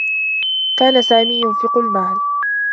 كان سامي ينفق المال.